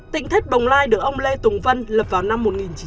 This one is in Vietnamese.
tỉnh thất bồng lai được ông lê tùng vân lập vào năm một nghìn chín trăm bảy mươi